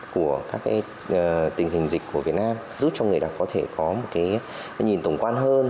của các tình hình dịch của việt nam giúp cho người đọc có thể có một nhìn tổng quan hơn